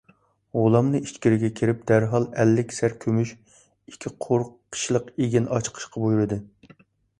غۇلامنى ئىچكىرىگە كىرىپ دەرھال ئەللىك سەر كۈمۈش، ئىككى قۇر قىشلىق ئېگىن ئاچىقىشقا بۇيرۇدى.